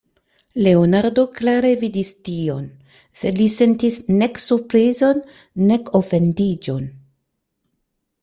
Leonardo klare vidis tion, sed li sentis nek surprizon, nek ofendiĝon.